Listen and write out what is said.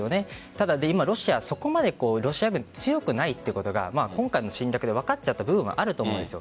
ただ、今そこまでロシア軍は強くないということが今回の侵略で分かっちゃった部分はあると思うんです。